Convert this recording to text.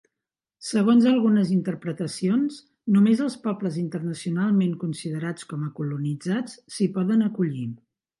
Segons algunes interpretacions, només els pobles internacionalment considerats com a colonitzats s'hi poden acollir.